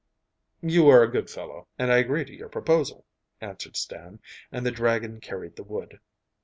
'You are a good fellow, and I agree to your proposal,' answered Stan, and the dragon carried the wood.